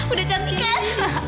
udah cantik kan